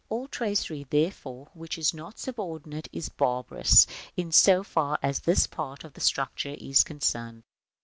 All tracery, therefore, which is not subordinated, is barbarous, in so far as this part of its structure is concerned.